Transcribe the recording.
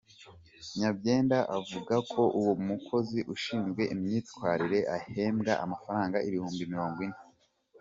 Nyabyenda avuga ko uwo mukozi ushinzwe imyitwarire ahembwa amafaranga ibihumbi mirongo ine.